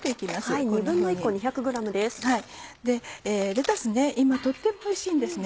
レタスね今とってもおいしいんです。